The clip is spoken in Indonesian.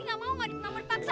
gak mau ngani pernah berpaksa